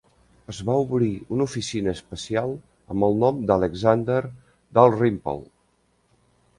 Es va obrir una oficina especial amb el nom d'Alexander Dalrymple.